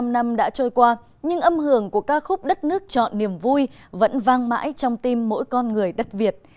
bảy mươi năm năm đã trôi qua nhưng âm hưởng của ca khúc đất nước chọn niềm vui vẫn vang mãi trong tim mỗi con người đất việt